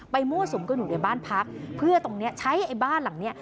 ไปมั่วสุมกันอยู่ในบ้านพักพิมพ์เพื่อฉะนั้นก็ใช้บ้านหลังเนี่ย